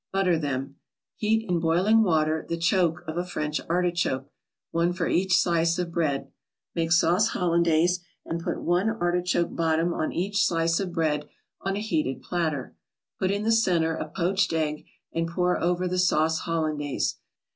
Butter them. Heat, in boiling water, the choke of a French artichoke, one for each slice of bread. Make sauce Hollandaise, and put one artichoke bottom on each slice of bread on a heated platter. Put in the center a poached egg and pour over the sauce Hollandaise.